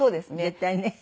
絶対ね。